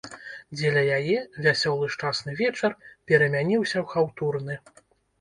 Дзеля яе вясёлы шчасны вечар перамяніўся ў хаўтурны.